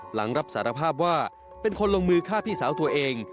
หลังรับสารภาพว่าเป็นคนลงมือฆ่าพี่สาวตัวเอง